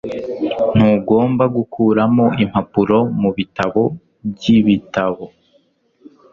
Ntugomba gukuramo impapuro mubitabo byibitabo.